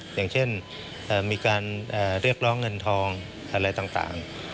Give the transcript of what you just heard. อย่างเช่นมีการเรียกร้องเงินทองอะไรต่าง